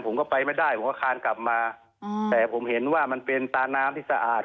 ผมก็ไปไม่ได้ผมก็คานกลับมาแต่ผมเห็นว่ามันเป็นตาน้ำที่สะอาด